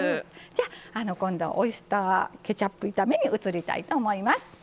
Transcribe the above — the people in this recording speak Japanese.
じゃあ今度はオイスターケチャップ炒めに移りたいと思います。